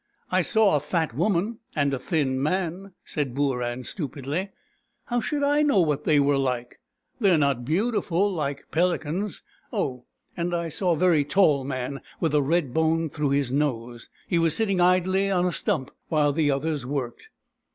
" 1 saw a fat woman, and a thin man," said Booran stupidly. " How should I know what they were like ? They are not beautiful like peli cans. Oh, and I saw a very tall man, with a red bone through his nose. He was sitting idly on a stump while the others worked."